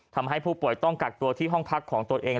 ทำให้ผู้ป่วยต้องกักตัวที่ห้องพักของตัวเอง